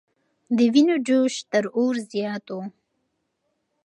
د وینو جوش تر اور زیات و.